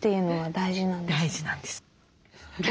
大事なんです。